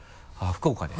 福岡で？